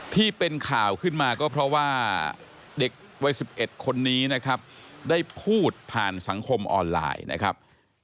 ที่เป็นข่าวขึ้นมาก็เพราะว่าเด็กวัย๑๑คนนี้นะครับได้พูดผ่านสังคมออนไลน์นะครับ